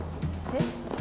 えっ？